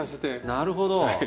なるほど。